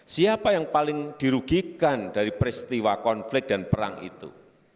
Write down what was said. siapa yang paling dirugikan dari peristiwa konflik dan perang itu